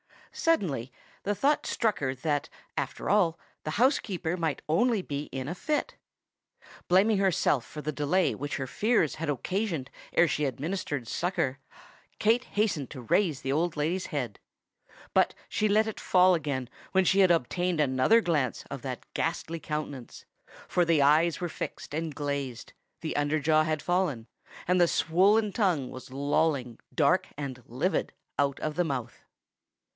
Suddenly the thought struck her that, after all, the housekeeper might only be in a fit. Blaming herself for the delay which her fears had occasioned ere she administered succour, Kate hastened to raise the old lady's head. But she let it fall again when she had obtained another glance of that ghastly countenance;—for the eyes were fixed and glazed—the under jaw had fallen—and the swollen tongue was lolling, dark and livid, out of the mouth.